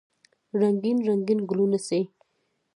رنګین، رنګین ګلونه سي